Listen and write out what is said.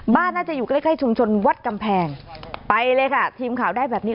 น่าจะอยู่ใกล้ใกล้ชุมชนวัดกำแพงไปเลยค่ะทีมข่าวได้แบบนี้